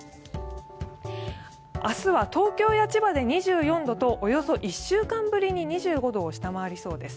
明日は東京や千葉で２４度とおよそ１週間ぶりに２５度を下回りそうです。